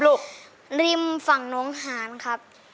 ริมฝั่งน้องหานครับ